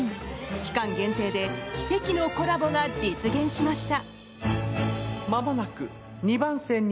期間限定で奇跡のコラボが実現しました。